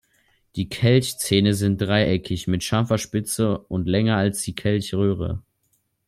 Die Kelchzähne sind dreieckig, mit scharfer Spitze und länger als die Kelchröhre.